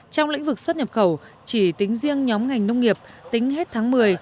trong lĩnh vực xuất nhập khẩu chỉ tính riêng nhóm ngành nông nghiệp tính hết tháng một mươi